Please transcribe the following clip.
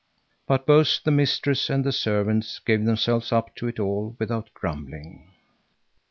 But both the mistress and the servants gave themselves up to it all without grumbling.